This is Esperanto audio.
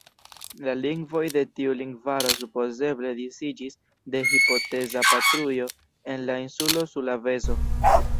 La lingvoj de tiu lingvaro supozeble disiĝis de hipoteza patrujo en la insulo Sulaveso.